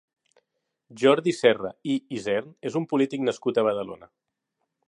Jordi Serra i Isern és un polític nascut a Badalona.